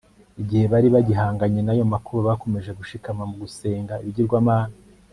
Igihe bari bagihanganye nayo makuba bakomeje gushikama mu gusenga ibigirwamana